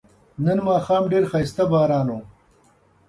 نن ماښام ډیر خایسته باران و